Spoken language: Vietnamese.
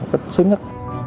cách sớm nhất